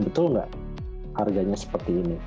betul nggak harganya seperti ini